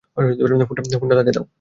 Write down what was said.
ফোনটা তাকে দাও।